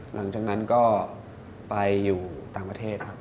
หลังจากนั้นก็ไปอยู่ต่างประเทศครับ